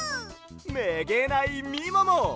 めげないみもも！